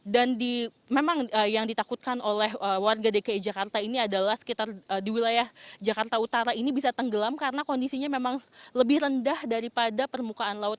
dan memang yang ditakutkan oleh warga dki jakarta ini adalah sekitar di wilayah jakarta utara ini bisa tenggelam karena kondisinya memang lebih rendah daripada permukaan laut